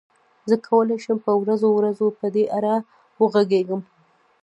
زه کولای شم په ورځو ورځو په دې اړه وغږېږم.